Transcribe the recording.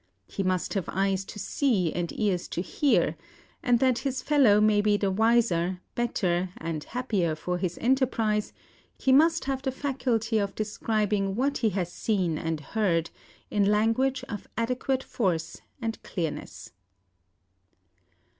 He must have eyes to see and ears to hear; and that his fellow may be the wiser, better, and happier for his enterprise, he must have the faculty of describing what he has seen and heard in language of adequate force and clearness.